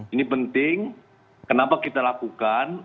ini penting kenapa kita lakukan